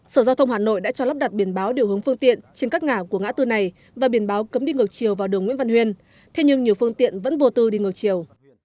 sở giao thông hà nội đã cho lắp đặt biển báo điều hướng phương tiện trên các ngã của ngã tư này và biển báo cấm đi ngược chiều vào đường nguyễn văn huyên thế nhưng nhiều phương tiện vẫn vô tư đi ngược chiều